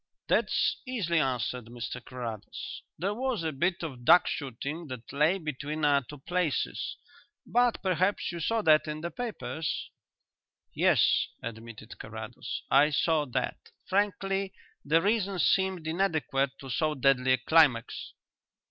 That's easily answered, Mr Carrados. There was a bit of duck shooting that lay between our two places. But perhaps you saw that in the papers?" "Yes," admitted Carrados, "I saw that. Frankly, the reason seemed inadequate to so deadly a climax."